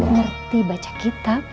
ngeri baca kitab